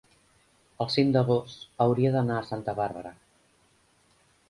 el cinc d'agost hauria d'anar a Santa Bàrbara.